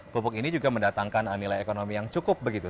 pupuk ini juga mendatangkan nilai ekonomi yang cukup begitu